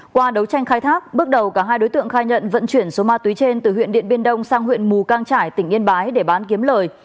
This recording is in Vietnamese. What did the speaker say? qua đấu tranh khai thác bước đầu cả hai đối tượng khai nhận vận chuyển số ma túy trên từ huyện điện biên đông sang huyện mù cang trải tỉnh yên bái để bán kiếm lời